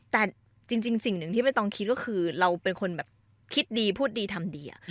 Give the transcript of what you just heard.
แต่จริงสิ่งหนึ่งที่ไม่ต้องคิดก็คือเราเป็นคนแบบคิดดีพูดดีทำดี